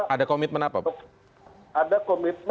ada komitmen apa pak